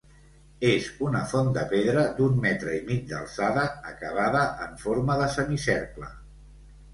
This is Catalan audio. És una font de pedra d'un metre i mig d'alçada acabada en forma de semicercle.